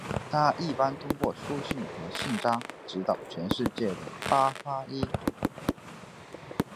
它一般通过书信和信札指导全世界的巴哈伊。